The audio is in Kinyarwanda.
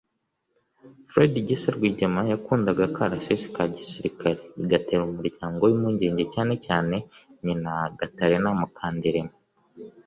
Fred Gisa Rwigema yakundaga akarasisi ka gisirikare cyane bigatera umuryango we impungenge cyane cyane nyina Gatarina Mukandirima